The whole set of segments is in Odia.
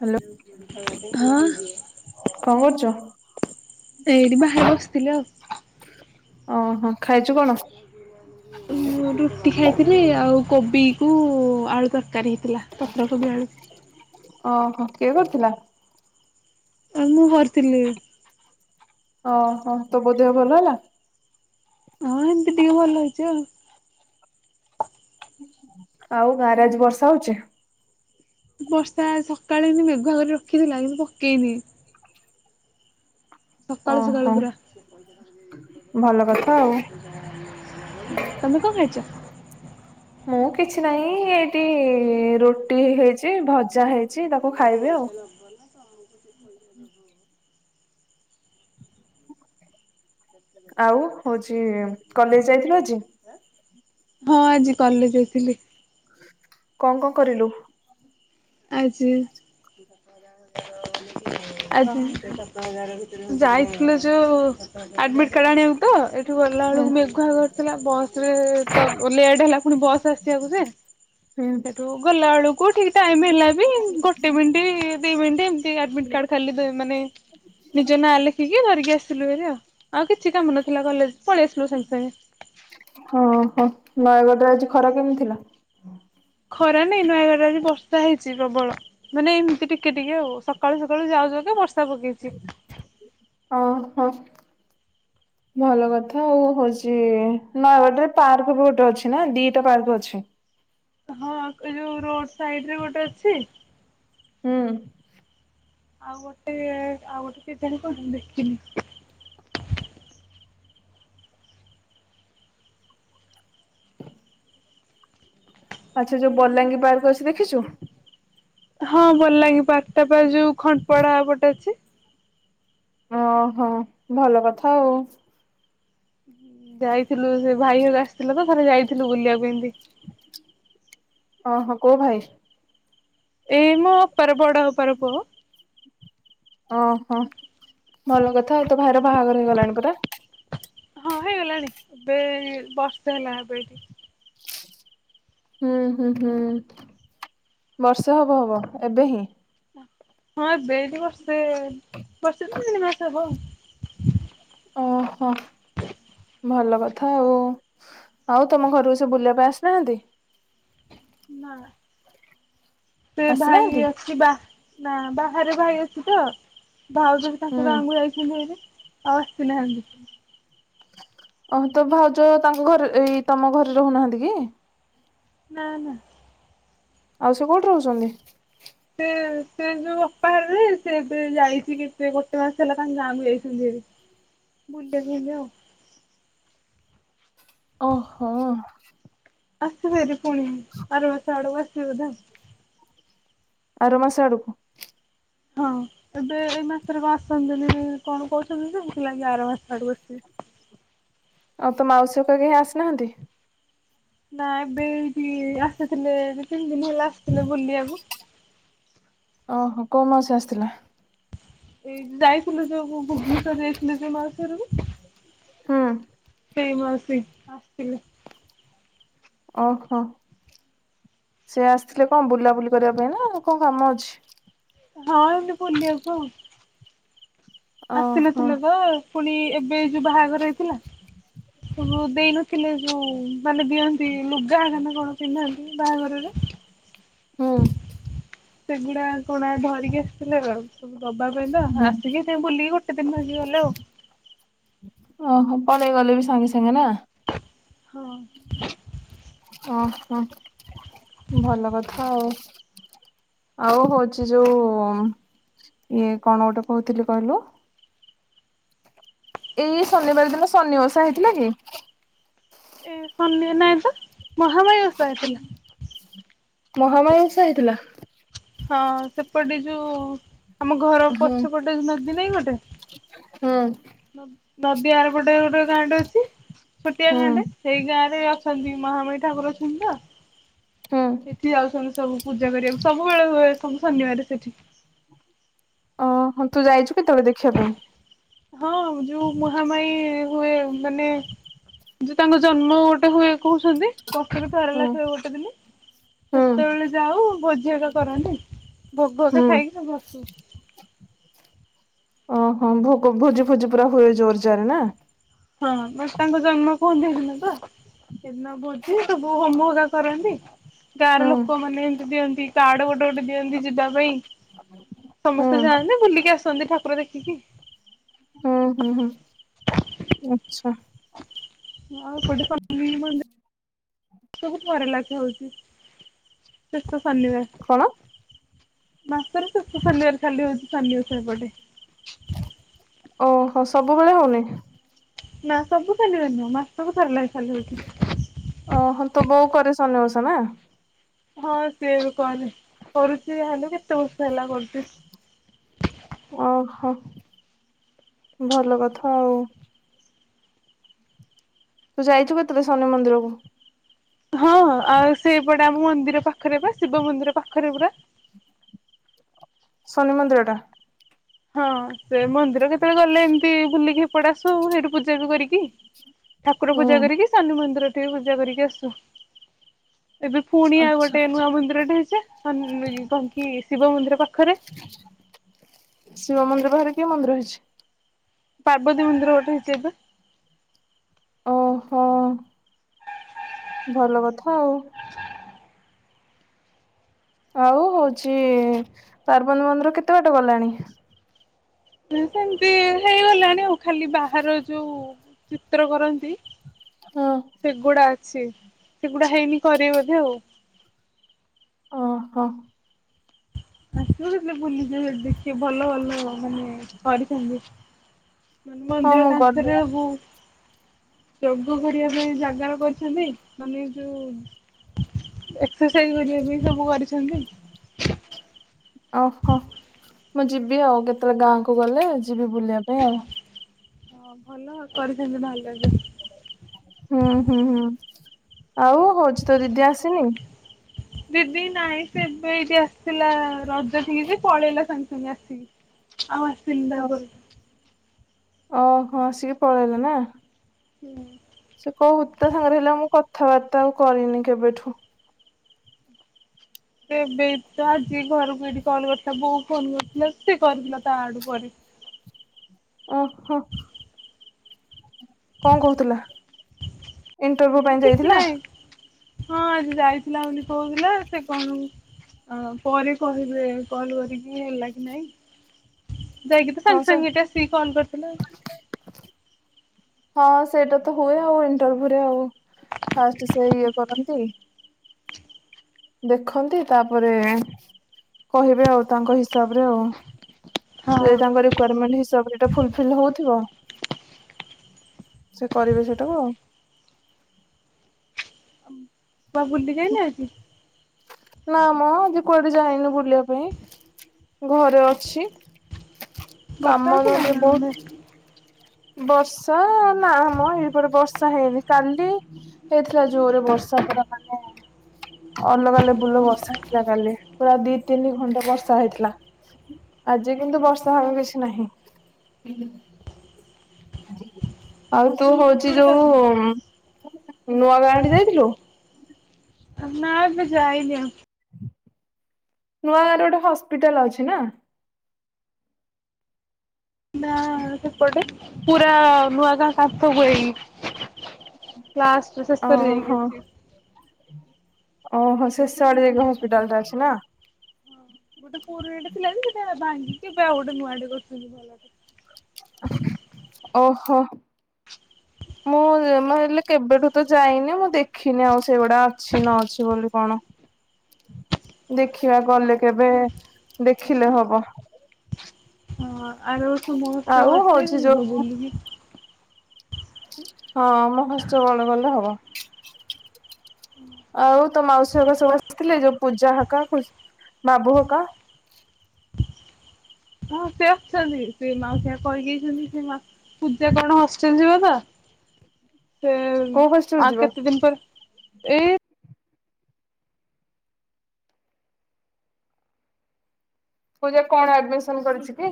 ହ୍ୟାଲୋ ହଁ। କଣ କରୁଛ? ଏଇଠି ବାହାରେ ବସିଥିଲି ଆଉ। ଓହୋଃ ଖାଇଛୁ କଣ? ହଁ ରୁଟି ଖାଇଥିଲି ଆଉ କୋବି କୁ ଆଳୁ ତରକାରୀ ହେଇଥିଲା, ପତ୍ରକୋବି ଆଳୁ। ଓହୋଃ କିଏ କରିଥିଲା? [unintelligible] ମୁଁ କରିଥିଲି। ଓହୋଃ। ତୋ ବୋଉ ଦେହ ଭଲ ହେଲା? ହଁ ଏମିତି ଟିକେ ଭଲ ହେଇଛି ଆଉ। ଆଉ ଗାଁ ରେ ଆଜି ବର୍ଷା ହେଉଛି? ବର୍ଷା ଆଜି ସକାଳେ ଏମିତି ମେଘୁଆ କରି ରଖିଥିଲା କିନ୍ତୁ ପକେଇନି। ସକାଳୁ ସକାଳୁ ଓହୋ ପୁରା ଭଲ କଥା ଆଉ। ତମେ କଣ ଖାଇଛ? ମୁଁ କିଛି ନାହିଁ, ଏଇଠି ରୁଟି ହେଇଚି, ଭଜା ହେଇଚି [inaudible] ଆଉ ହଉଛି କଲେଜ ଯାଇଥିଲୁ ଆଜି? ହଁ ଆଜି କଲେଜ ଯାଇଥିଲି। କଣ କଣ କରିଲୁ? ଆଜି ଆଜି ଯାଇଥିଲୁ ଯୋଉ ଆଡମିଟ୍ କାର୍ଡ ଆଣିବାକୁ ତ, ଏଠୁ ଗଲା ହୁଁ ବେଳକୁ ମେଘୁଆ କରି ଆସିଲା ବସ ରେ ତ ଲେଟ୍ ହେଲା ପୁଣି ବସ ଆ ଆସିବାକୁ ଯେ ହୁଁ ସେଠୁ ଗଲା ବେଳକୁ ଠିକ ଟାଇମ ହେଲେ ବି ଗୋଟେ ମିନିଟ ଦି ମିନିଟ ଆଡମିଟ କାର୍ଡ ଖାଲି ଦେବେ ମାନେ ନିଜ ନାଁ ଲେଖିକି ଧରିକି ଆସିଲୁ ହେରି ଆଉ ଆଉ କିଛି କାମ ନଥିଲା କଲେଜ ପଳେଇ ଆସିଲୁ ସାଙ୍ଗେ ସାଙ୍ଗେ। ଓହୋ ନୟାଗଡ଼ରେ ଆଜି ଖରା କେମିତି ଥିଲା? ଖରା ନାଇଁ ନୟାଗଡ଼ରେ ଆଜି ବର୍ଷା ହେଇଛି ପ୍ରବଳ। ମାନେ ଏମିତି ଟିକେ ଟିକେ ଆଉ ସକାଳୁ ସକାଳୁ ଯାଉ ଯାଉକା ବର୍ଷା ପକେଇଛି। ଓ ହୋ। [inaudible] ଭଲ କଥା ଆଉ ହଉଛି ନୟାଗଡ଼ରେ ପାର୍କ ବହୁତ ଅଛି ନା ଦିଟା ପାର୍କ ଅଛି। ହଁ ସେ ଯୋଉ ରୋଡ ସାଇଡରେ ଗୋଟେ ଅଛି। ହୁଁ। ଆଉ ଗୋଟେ ଆଉ ଗୋଟେ କେଜାଣି କୋଉଠି ମୁଁ ଦେଖିନି। ଆଚ୍ଛା ଯୋଉ ବଲାଙ୍ଗୀ ପାର୍କ ଅଛି ଦେଖିଛୁ। ହଁ ବଲାଙ୍ଗୀ ପାର୍କ ଟା ପା ଯୋଉ ଖନପଡାପଟେ ଅଛି। ଓହୋ ଭଲ କଥା ଆଉ। ଯାଇଥିଲୁ ସେ ଭାଇ ହଇକା ଆସିଥିଲେ ତ ଥରେ ଯାଇଥିଲୁ ବୁଲିବାକୁ ଏମିତି। ଓ ହୋ କୋଉ ଭାଇ? ଏଇ ମୋ ଅପାର ବଡ ଅପାର ପୁଅ। ଓହୋ ଭଲ କଥା ଆଉ ତୋ ଭାଇର ବାହାଘର ହେଇଗଲାଣି ପରା। ହଁ ହେଇଗଲାଣି ଏବେ ବର୍ଷେ ହେଲା ଏବେ ଏଠି। ହୁଁ ହୁଁ ହୁଁ ବର୍ଷେ ହବ ହବ ଏବେ ହିଁ। ହଁ ଏବେ ଏଇଠି ବର୍ଷେ ବର୍ଷେ ଧେଢ଼ ମାସ ହବ। ଓହୋ। ଭଲ କଥା ଆଉ ଆଉ ତମ ଘରକୁ ସେ ବୁଲିବା ପାଇଁ ଆସୁନାହାନ୍ତି। ନା। ସେ ଭାଇ ଆସିନାହାନ୍ତି? ଅଛି ବା ନା ବାହାରେ ଭାଇ ଅଛି ତ। ଭାଉଜ ବି ତାଙ୍କ ହୁଁ ଗାଁକୁ ଯାଇଛନ୍ତି ଏବେ ଆଉ ଆସିନାହାନ୍ତି। ଓହୋ ତୋ ଭାଉଜ ତାଙ୍କ ଘରେ ଏଇ ତମ ଘରେ ରହୁନାହାନ୍ତି କି? ନା ନା। ଆଉ ସେ କୋଉଠି ରହୁଛନ୍ତି? ସେ ସେ ଯୋଉ ଅପାହାରରେ ସେ ଏବେ ଯାଇଛି କେତେ ଗୋଟେ ମାସ ହେଲା ତାଙ୍କ ଗାଁକୁ ଯାଇଛନ୍ତିି ହାରି। ବୁଲେ ଝୁଲେ ଆଉ। ଓହୋ। ଆସିବେ ଏବେ ପୁଣି ଆର ମାସ ଆଡକୁ ଆସିବେ ବୋଧେ। ଆର ମାସ ଆଡକୁ। ହଁ ଏବେ ଏଇ ମାସରେ କଣ ଆସନ୍ତିନି କଣ କହୁଛନ୍ତି ସବୁ ସେ ଯାଇକି ଆର ମାସ ଆଡକୁ ଆସିିବେ। ଆଉ ତ ମାଉସୀ ଘଟିକା କେହି ଆସିନାହାନ୍ତି। ନା ଏବେ ଏଇଠି ଆସିଥିଲେ ଦି ତିନି ଦିନ ହେଲା ଆସିଥିଲେ ବୁଲିବାକୁ। ଓହୋ କୋଉ ମାଉସୀ ଆସିଥିଲା? ଏଇ ଯାଇଥିଲୁ ଯୋଉ ଭୁ ଭୁବନେଶ୍ୱର ଯାଇଥିଲୁ ଯୋଉ ମାଉସୀ ଘରକୁ। ହୁଁ ସେଇ ମାଉସି ଆସିଥିଲେ। ଓହୋ ସେ ଆସିଥିଲେ କଣ ବୁଲାବୁଲି କରିବା ପାଇଁ ନା କଣ କାମ ଅଛି? ହଁ ଏମିତି ବୁଲିବାକୁ ଆଉ। ଓହୋ ଆସିନଥିଲ ତ ପୁଣି ଏବେ ଯୋଉ ବାହାଘର ହେଇଥିଲା ସବୁ ଦେଇନଥିଲା। ଥିଲେ ଯେଉଁ ମାନେ ଦିଅନ୍ତି ଲୁଗା ହେଗାନ କ ଣ ପିନ୍ଧନ୍ତି ବାହାଘରରେ। ହୁଁ। ସେଗୁଡା କଣ ଧରିକି ଆସିଥିଲେ ଆଉ। ସବୁ ଦବା ପାଇଁ ତ ହୁଁ। ଆସିକି ସେଇ ବୁଲିକି ଗୋଟେ ଦିନ ହେଇକି ଗଲେ ଆଉ। ଓହୋ ପଳେଇ ଗଲେ ବି ସାଙ୍ଗେ ସାଙ୍ଗେ ନା। ହଁ। ଓହୋ ଭଲ କଥା ଆଉ। ଆଉ ହଉଚି ଯୋଉ ଇଏ କଣ ଗୋଟେ କହୁଥିଲି କହିଲ? ଏଇ ଶନିବାର ଦିନ ଶନି ଓଷା ହେଇଥିଲା କି? ଏ ଶନି ନାଇଁ ତ ମହାମାୟି ଓସା ହେଇଥିଲା। ମହାମାୟୀ ଓଷା ହେଇଥିଲା। ହଁ ସେପଟେ ଯୋଉ ଆମ ଘର ହଁ ପଛପଟେ ନଦୀ ନାଇଁ ଗୋଟେ? ହଁ। ନଦ ନଦୀଆର ପଟେ ଗୋଟେ ଗାଁ ଅଛି ଛୋଟିଆ ହୁଁ ଗାଁ ଟେ ସେଇ ଗାଁ ରେ ଅଛ ଅଛନ୍ତି ମହାମୟୀ ଠାକୁର ଅଛନ୍ତି ତ ହୁଁ ସେଠି ଯାଉଛନ୍ତି ସବୁ ପୂଜା କରିବାକୁ ସବୁ ସବୁବେଳେ ହୁଏ ସବୁ ଶନିବାରେ ସେଠି। ଓ ହଁ ତୁ ଯାଇଛୁ କେତେବେଳେ ଦେଖିବା ପାଇଁ? ହଁ ଯୋଉ ମହାମାୟି ହୁଏ ମାନେ ଯେ ତାଙ୍କ ଜନ୍ମ ଗୋଟେ ହୁଏ କହୁଛନ୍ତି। ପଖେରୁ ପାରା ହୁଁ। ଲାଖେ ଗୋଟେ ଦିନି। ହୁଁ ସେତେବେଳେ ଯାଉ ଭୋଜିଆକା କରନ୍ତି ଭୋଗକା ହୁଁ ଖାଇକି ସବୁ ଆସୁ। ଓହୋ ଭୋଗ ଭୋଜି ଫୋଜି ପୁରା ହୁଏ ଜୋର ଜାରେ ନାଁ? ହଁ ମାସ ତାଙ୍କ ଜନ୍ମ କୁହନ୍ତି ସେ ଦିନ ତ ସେଦିନ ଭୋଜି ସବୁ। ଆଉ ହୋମ ହଗା କରନ୍ତି। ଗାଁ ର ହୁଁ। ଲୋକ ମାନେ ଏମତି ଦିଅନ୍ତି କାର୍ଡ ଗୋଟେ ଗୋଟେ ଦିଅନ୍ତି ଯିବା ପାଇଁ। ହୁଁ ସମସ୍ତେ ଯାଆନ୍ତି ବୁଲିକି ଆସନ୍ତି ଠାକୁର ଦେଖିକି। ହୁଁ ହୁଁ ହୁଁ ଆଚ୍ଛା। ଆଉ [unintelligible] ସବୁ ଥରେ ଲାଖେ ହଉଚି ଶେଷ ସନିବାର। କଣ? ମାସର ଶେଷ ଶନିବାର ଖାଲି ହଉଚି ସନିି ଓଷା ପଡେ। ଓହୋ ସବୁବେଳେ ହଉନି? ନାଁ ସବୁ ଶନିବାରେ ନୁହଁ ମାସକୁ ଥରେ ଲାଖେ ଖାଲି ହଉଛି। ଓହୋ ତୋ ବୋଉ କରେ ସନିଓଷା ନାଁ? ହଁ ସିଏ ବି କରେ କରୁଛି ଯାହେଲେ କେତେ ବର୍ଷ ହେଲା କରୁଛି। ଓହୋ ଭଲ କଥା ଆଉ। ତୁ ଯାଇଛୁ କେତେବେଳେ ଶନି ମନ୍ଦିରକୁ? ହଁ ଆଉ ସେଇପଟେ ଆମ ମନ୍ଦିର ପାଖରେ ପା ଶିବ ମନ୍ଦିର ପାଖରେ ପୁରା। ଶନି ମନ୍ଦିର ଟା। ହଁ ସେ ମନ୍ଦିର କେତେବେଳେ ଗଲେ ଏମିତି ବୁଲିକି ହେପଡା ଆସୁ ସେଠି ପୂଜା ବି କରିକି। ଠାକୁର ପୂଜା ହୁଁ କରିକି ସାନି ମନ୍ଦିର ଠି ପୂଜା କରିକି ଆସୁ। ଏବେ ପୁଣି ଆଉ ଆଚ୍ଛା ଗୋଟେ ନୂଆ ମନ୍ଦିର ଟେ ହେଇଛି ଶନ ଇ କଣ କି ଶିବ ମନ୍ଦିର ପାଖରେ। ଶିବ ମନ୍ଦିର ପାଖରେ କି ମନ୍ଦିର ହେଇଛି? ପାର୍ବତୀ ମନ୍ଦିର ଗୋଟେ ହେଇଛି ଏବେ। ଓହୋ। ଭଲ କଥା ଆଉ। ଆଉ ହଉଛି ପାର୍ବତୀ ମନ୍ଦିର କେତେ ବାଟେ ଗଲାଣି? ଉଁ ସେମିତି ହେଇଗଲାଣି ଆଉ ଖାଲି ବାହାର ଯୋଉ ଚିତ୍ର କରନ୍ତି। ହଁ। ସେଗୁଡା ଅଛି ସେଗୁଡା ହେଇନି କରିବେ ବୋଧେ ଆଉ। ଓହୋ। ଆସିବୁ ହେଲେ ବୁଲିକି ହିଆଡେ ଦେଖି ଭଲ ଭଲ ମାନେ କରିଛନ୍ତି। ମାନେ ହଁ ମନ୍ଦିର ମୁଁ ଗଲେ କାନ୍ଥରେ ବହୁତ ଯୋଗ କରିବା ପାଇଁ ଜାଗା କରିଛନ୍ତି ମାନେ ଯୋଉ ଏଶ୍ ରୋଷେଇ କରିବା ପାଇଁ ସବୁ କରିଛନ୍ତି। ଓ ହଁ ମୁଁ ଯିବି ଆଉ କେତେବେଳେ ଗାଁକୁ ଗଲେ ଯିବି ବୁଲିବା ପାଇଁ ଆଉ ହଁ ଭଲ କରିଥାଛନ୍ତି ତାହେଲେ ହୁଁ ହୁଁ ହୁଁ ଆଉ ହଉଛିତୋ ଦିଦି ଆସିନି ଦିଦି ନାଇଁ ସେ ଏବେ ଏଇଠି ଆସିଥିଲା ରଜ ଥିକି ଯେ ପଳେଇଲା ସାଙ୍ଗେ ସାଙ୍ଗେ ଆସିକି ଆଉ ଆସିନି ତାପରେ ଅ ହ ଆସିକି ପଳେଇଲେ ନା ହୁଁ, ସେ କହୁ ତାସାଙ୍ଗରେ ହେଲା ମୁଁ କଥାବାର୍ତ୍ତା ଆଉ କରିନି କେବେଠୁ ଏବେତ ଆଜି ଘରକୁ ଏଠି କଲ କରିଥିଲା ବୋଉ ଫୋନ କରିଥିଲା ସେକରିଥିଲା ତାଆଡୁ ପରେ ଓ ହଁ କଣ କହୁଥିଲା? ଇଣ୍ଟରଭ୍ୟୁ ଏ ପାଇଁ କିଛି ଯାଇଥିଲା? ନାହିଁ ହଁ ଆଜି ଯାଇଥିଲା ବୋଲି କୋଉଥିଲା ସେ କଣ? ଅ ପରେ କହିବେ କଲ କରିକି ହେଲାକି ନାଇଁ ଯାଇକିତ ହଁ ସାଙ୍ଗେ ସେ ସାଙ୍ଗେ ଏଟା ଆସିକି କଲ କରିଥିଲା। ହଁ ସେଇଟାତ ହୁଏ ଆଉ ଇଣ୍ଟରଭ୍ୟୁରେ ଆଉ ଫାଷ୍ଟ ସେ ଇଏ କରନ୍ତି। ଦେଖନ୍ତି ତାପରେ କହିବେ ଆଉ ତାଙ୍କ ହିସାବରେ ଆଉ ହଁ ସେ ତାଙ୍କ ରିକ୍ୱାରମେଣ୍ଟ ହିସାବରେ ଜଦି ଫୁଲଫିଲ ହଉଥିବ ସେ କରିବେ ସେଟାକୁ ଆଉ କୁଆଡେ ବୁଲି ଯାଇନାହାଁନ୍ତି। ନା ମ ଆଜି କୁଆଡେ ଯାଇନୁ ବୁଲିବା ପାଇଁ ଘରେ ଅଛି। ବର୍ଷା କାମ ହଉଥିଲା ଘରେ ନା ବହୁତ ଆମର ବର୍ଷା ନାମ ଏଇପଟେ ବର୍ଷା ହେଇନି କାଲି ହେଇଥିଲା ଯୋରେ ବର୍ଷା। ଅଲଗା ଲେବୁଲ ବର୍ଷା ହେଇଥିଲା କାଲି ପୁରା ଦି ତିନିଘଣ୍ଟା ବର୍ଷା ହେଇଥିଲା। ଆଜି କିନ୍ତୁ ବର୍ଷା ବେସିନାହିଁ। ଆଉ ତୁ ହଉଚି ଏପଟେ ଯୋଉ ନୂଆ ଗାଁ ଆଡେ ଯାଇଥିଲୁ। ତ ନା ଏବେ ଯାଇନି ଆଉ। ନୂଆ ଗାଁରେ ଗୋଟେ ହସ୍ପିଟାଲ ଅଛି ନା ନା ସେପଟେ ପୁରା ନୂଆଗାଁ କାଥ ହେଇକି ଲାଷ୍ଟ ଶେସ ରେ ଯାଇକି ଓହୋ ଅଛି ଓହୋ ଶେଷ ଆଡେ ଯାଏକି ହସ୍ପିଟାଲଟା ଅଛିନା ଗୋଟେ ପୁରୁଣାଟେଥିଲା ଯେ ସେଟା ଭାଙ୍ଗି ଏବେ ଆଉ ଗୋଟେ ନୂଆ ଟେ କରୁଛନ୍ତି ଭଲ ଓହୋ, ମୁଁ ହେଲେ କେବେଠୁତ ଯାଇନି ମୁଁଦେଖିନି ଆଉ ସେଇଗୁଡା ଅଛି ନଅଛି ବୋଲି କଣ? ଦେଖିବା ଗଲେ କେବେ ଦେଖିଲେ ହବ ହଁ ଆର ବର୍ଷ ଆଉ ମହୋତ୍ସବ ହଉଛି ଆସିବେ ଯିବ ଯୋଉ ବୁଲିକି ହଁ ମହୋତ୍ସବ ଗଲେ ହବ ଆଉ ତ ମାଉସୀ ହେରିକା ସବୁ ଆସିଥିଲେ ଯୋଉ ପୂଜା ହକା ଖ ବାବୁ ହକା ହଁ ସେ ଅଛନ୍ତି ସେ ମାଉସି କହିଦେଇଛନ୍ତି ସେ ମା ପୂଜା କଣ ହଷ୍ଟେଲ ଯିବ ତ ସେ କୋଉ ହଷ୍ଟେଲ ଆ ଯିବ କେତେ ଦିନପରେ ଏ ପୂଜା କଣ ଆଡମିସନ କରିଛିକି?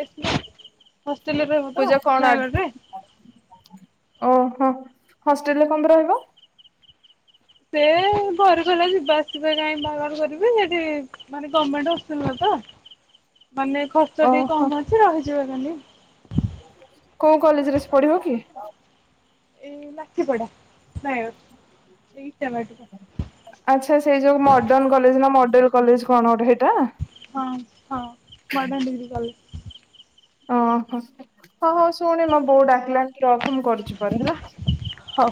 ହଷ୍ଟେଲରେ ରହିବ ତ ପୂଜା କଣ ଆଡ୍ ନୟାଗଡ଼ରେ ଓହୋ ହଷ୍ଟେଲରେ କମପାଇଁ ରହିବ? ସେ, ଘରେ କଲା ଯିବା ଆସିବା କାଇ ବାର ବାର କରିବି ସେଠି ମାନେ ଗାମେଣ୍ଡ ହଷ୍ଟେଲ ତ ମାନେ ଖର୍ଚ୍ଚ ଟିକେ ଓହୋ। କମ ଅଛି ରହିଯିବା କାଲି। କୋଉ କଲେଜରେ ସେ ପଢ଼ିବ କି? ଏ ଲାଠି ପଡା ନାଇ ଏଇ ଇଚ୍ଛା ବାଟ ଆଚ୍ଛା ସେଇ ଯୋଉ ମଡର୍ଣ କଲେଜ ନା ମଡେଲ କଲେଜ କଣ ଗୋଟେ ହେଇଟା? ହଁ ହଁ ମାଡନ [inaudible] କଲେଜେ? ଓହୋ ହଁ ହଁ ଶୁଣି ମଁ ବୋଉ ଡାକିଲାଣି ରଖମ କରୁଛି ପରେ ହେଲା। ହଉ।